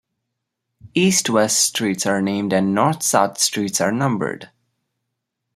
East-west streets are named and north-south streets are numbered.